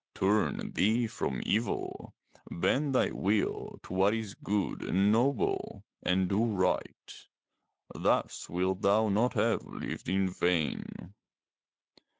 Turn thee from evil; bend thy will to what is good and noble, and do right. Thus wilt thou not have lived in vain."